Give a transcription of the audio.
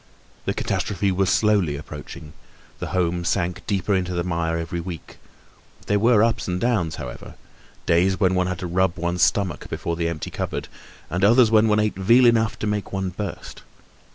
The catastrophe was slowly approaching; the home sank deeper into the mire every week; there were ups and downs, however—days when one had to rub one's stomach before the empty cupboard, and others when one ate veal enough to make one burst.